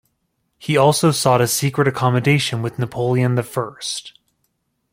He also sought a secret accommodation with Napoleon the First.